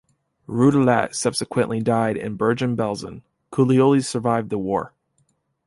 Rudellat subsequently died in Bergen-Belsen; Culioli survived the war.